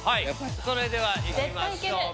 それではいきましょう。